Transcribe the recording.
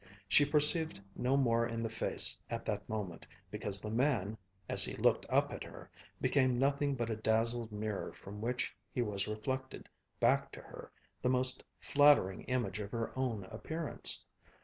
She perceived no more in the face at that moment, because the man, as he looked up at her, became nothing but a dazzled mirror from which was reflected back to her the most flattering image of her own appearance.